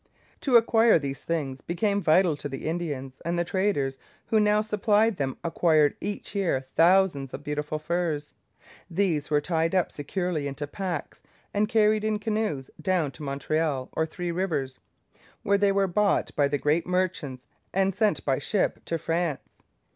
To acquire these things became vital to the Indians, and the traders who now supplied them acquired each year thousands of beautiful furs. These were tied up securely into packs and carried in canoes down to Montreal or Three Rivers, where they were bought by the great merchants and sent by ship to France.